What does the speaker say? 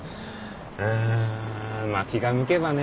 うんまあ気が向けばね。